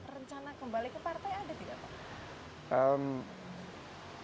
rencana kembali ke partai ada di mana